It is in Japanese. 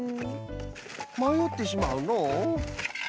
まよってしまうのう。